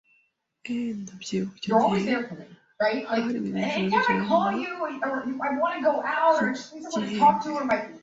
a, ndabyibuka icyo gihe hari mu ijoro rya nyuma ry’igihembwe,